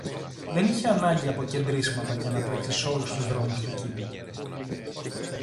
Δεν είχε ανάγκη από κεντρίσματα για να τρέξει σ' όλους τους δρόμους του κήπου.